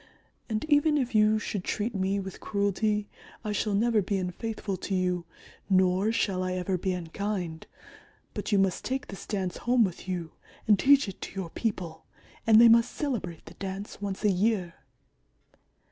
And even if you should treat me with cruelty I shall never be unfaithful to you, nor shall I ever be unkind. But you must take this Dance home with you and teach it to your people and they must celebrate the Dance once a year."